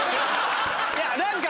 いや何か。